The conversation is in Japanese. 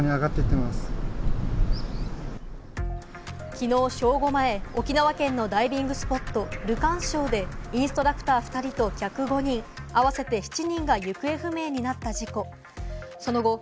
きのう正午前、沖縄県のダイビングスポット、ルカン礁でインストラクター２人と客５人、合わせて７人が行方不明になった事故。